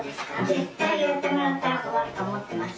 絶対、やってもらったら困ると思っています。